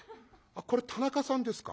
「これ田中さんですか。